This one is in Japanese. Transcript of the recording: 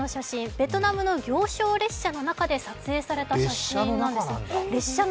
ベトナムの行商列車の中で撮影された写真です。